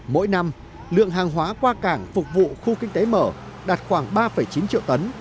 mỗi năm lượng hàng hóa qua cảng phục vụ khu kinh tế mở đạt khoảng ba chín triệu tấn